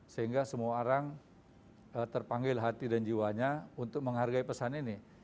sehingga semua orang terpanggil hati dan jiwanya untuk menghargai pesan ini